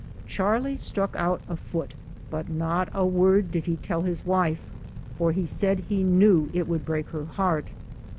'' Charlie struck out afoot, but not a word did he tell his wife for he said he knew it would break her heart.